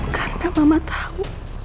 karena mama tau